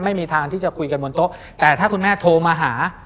ไม่มีทางที่จะคุยกันบนโต๊ะแต่ถ้าคุณแม่โทรมาหา